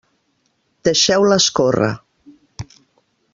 Deixeu-la escórrer.